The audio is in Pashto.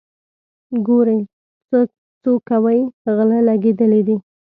ګورئ څو کوئ غله لګېدلي دي.